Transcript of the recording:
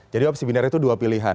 jadi opsi biner itu dua pilihan